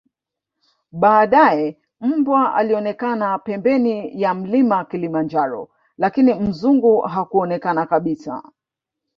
baadae mbwa alionekana pembeni ya mlima kilimanjaro lakini mzungu hakuonekana kabisa